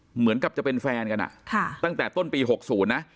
เหมือนกับจะเป็นแฟนกันตั้งแต่ต้นปี๖๐นะ